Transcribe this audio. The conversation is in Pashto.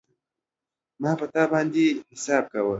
ما په تا باندی حساب کاوه